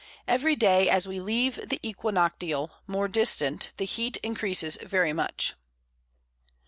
Every Day as we leave the Equinoctial more distant the Heat encreases very much.